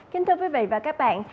kính thưa quý vị và các bạn